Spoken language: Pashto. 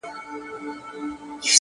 • سره غوښه او چاړه سوه ,